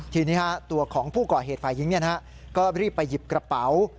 ทีนี้ตัวของผู้ก่อเหตุฝ่ายหญิงก็รีบไปหยิบกระเป๋า